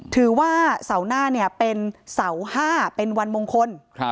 เสาร์หน้าเป็นเสา๕เป็นวันมงคล